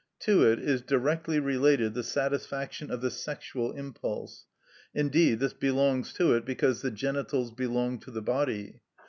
To it is directly related the satisfaction of the sexual impulse; indeed this belongs to it, because the genitals belong to the body.